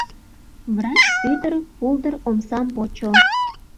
Врач ӱдыр пулдыр омсам почо.